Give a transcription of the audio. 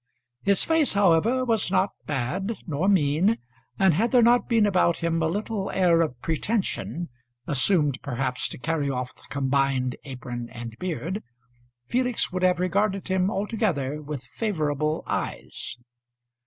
His face, however, was not bad, nor mean, and had there not been about him a little air of pretension, assumed perhaps to carry off the combined apron and beard, Felix would have regarded him altogether with favourable eyes.